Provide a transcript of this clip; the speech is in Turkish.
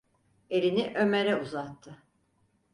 Elini Ömer’e uzattı.